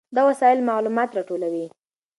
دا وسایل معلومات راټولوي.